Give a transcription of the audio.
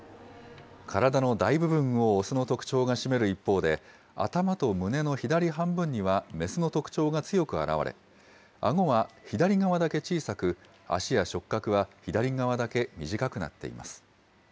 体の大部分を雄の特徴が占める一方で、頭と胸の左半分には雌の特徴が強く表れ、あごは左側だけ小さく、脚や触覚は左側だけ短くなっています。